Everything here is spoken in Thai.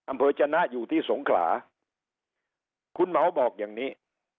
อำเภาจนะอยู่ที่สงขลาคุณเหมาะบอกอย่างนี้